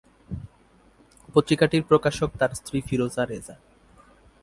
পত্রিকাটির প্রকাশক তার স্ত্রী ফিরোজা রেজা।